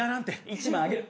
１万あげる。